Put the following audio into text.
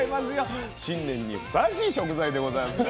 新年にふさわしい食材でございますね。